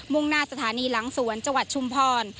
่งหน้าสถานีหลังสวนจังหวัดชุมพร